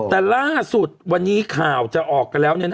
แต่ล่าสุดวันนี้ข่าวจะออกกันแล้ว